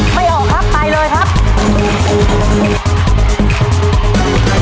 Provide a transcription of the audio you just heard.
ไม่ออกครับไปเลยครับ